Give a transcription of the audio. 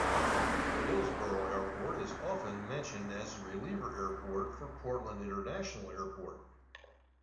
Hillsboro airport is often mentioned as a reliever airport for Portland International Airport.